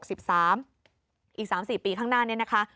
อีก๓๔ปีข้างหน้านี้นะคะ